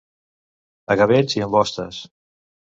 A gavells i ambostes.